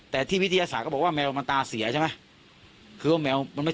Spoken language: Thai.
แต่ที่วิทยาศาสตร์ก็บอกว่าแมวมันตาเสียใช่ไหม